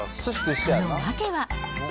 その訳は。